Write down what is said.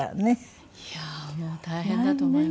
いやあもう大変だと思いますね。